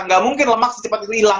gak mungkin lemak secepat itu hilang